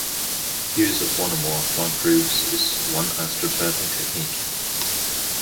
Use of one or more front groups is one astroturfing technique.